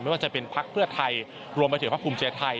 ไม่ว่าจะเป็นพักเพื่อไทยรวมไปถึงพักภูมิใจไทย